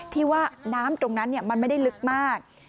ที่ว่าน้ำตรงนั้นมันไม่ได้ลึกมาก